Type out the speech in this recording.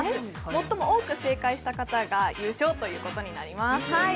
最も多く正解した方が優勝ということになります。